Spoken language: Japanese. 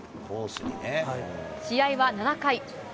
試合は７回。